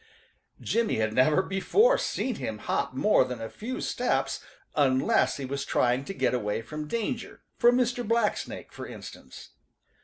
Jimmy had never before seen him hop more than a few steps unless he was trying to get away from danger, from Mr. Blacksnake for instance.